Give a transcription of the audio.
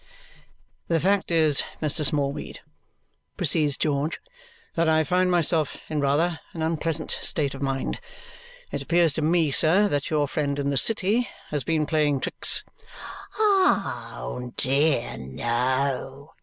"The fact is, Mr. Smallweed," proceeds George, "that I find myself in rather an unpleasant state of mind. It appears to me, sir, that your friend in the city has been playing tricks." "Oh, dear no!"